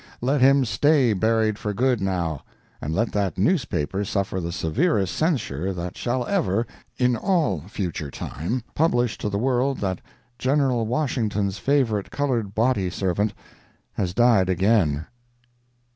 Let him stay buried for good now; and let that newspaper suffer the severest censure that shall ever, in all the future time, publish to the world that General Washington's favorite colored body servant has died again.